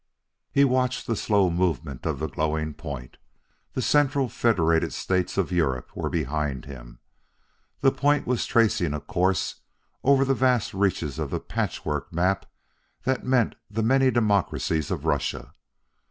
He watched the slow movement of the glowing point. The Central Federated States of Europe were behind him; the point was tracing a course over the vast reaches of the patchwork map that meant the many democracies of Russia.